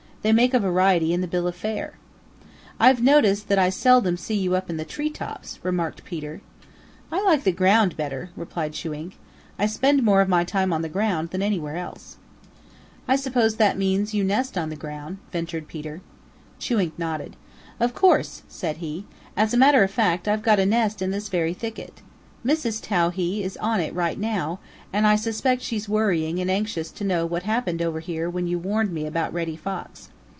They make a variety in the bill of fare." "I've noticed that I seldom see you up in the tree tops," remarked Peter. "I like the ground better," replied Chewink. "I spend more of my time on the ground than anywhere else." "I suppose that means that you nest on the ground," ventured Peter. Chewink nodded. "Of course," said he. "As a matter of fact, I've got a nest in this very thicket. Mrs. Towhee is on it right now, and I suspect she's worrying and anxious to know what happened over here when you warned me about Reddy Fox.